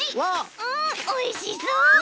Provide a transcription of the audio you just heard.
うんおいしそう！